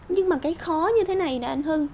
nhưng mà cái khó như thế này là anh hưng